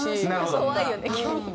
怖いよね急に。